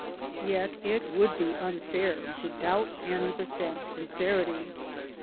Yet it would be unfair to doubt Annie Besant's sincerity.